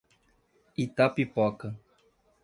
Itapipoca